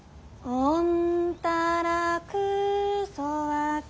おんたらくそわか。